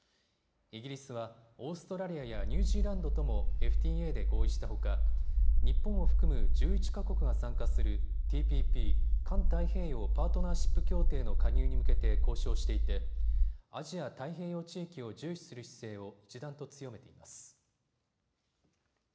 イギリスはオーストラリアやニュージーランドともＦＴＡで合意したほか日本を含む１１か国が参加するＴＰＰ・環太平洋パートナーシップ協定の加入に向けて交渉していてアジア太平洋地域を重視する姿勢を一段と強めています。